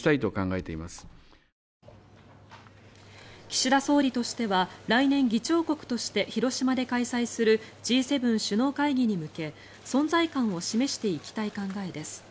岸田総理としては来年議長国として広島で開催するＧ７首脳会議に向け、存在感を示していきたい考えです。